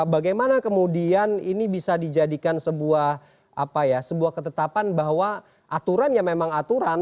bagaimana kemudian ini bisa dijadikan sebuah ketetapan bahwa aturan ya memang aturan